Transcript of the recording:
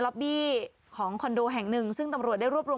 บี้ของคอนโดแห่งหนึ่งซึ่งตำรวจได้รวบรวม